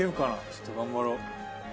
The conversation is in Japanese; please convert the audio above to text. ちょっと頑張ろう。